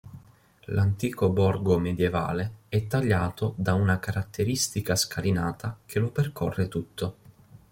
L'antico borgo medievale è tagliato da una caratteristica scalinata che lo percorre tutto.